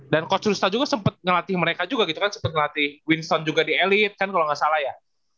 dan coach rusta juga sempet ngelatih mereka juga gitu kan sempet ngelatih winston juga di elite kan kalau gak salah ya